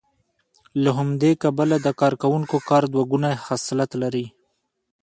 له همدې کبله د کارکوونکو کار دوه ګونی خصلت لري